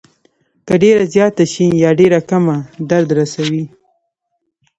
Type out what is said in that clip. که ډېره زیاته شي یا ډېره کمه درد رسوي.